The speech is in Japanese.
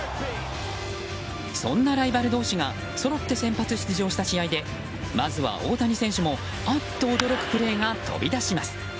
そんなライバル同士がそろって先発出場した試合でまずは大谷選手もあっと驚くプレーが飛び出します。